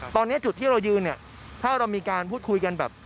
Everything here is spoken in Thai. ตอนนี้จุดที่เรายืนเนี่ยถ้าเรามีการพูดคุยกันแบบ